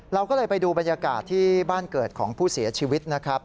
เราก็เลยไปดูบรรยากาศที่บ้านเกิดของผู้เสียชีวิตนะครับ